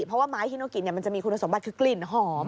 เพราะว่าไม้ฮิโนกินมันจะมีคุณสมบัติคือกลิ่นหอม